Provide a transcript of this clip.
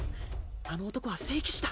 あの男は聖騎士だ。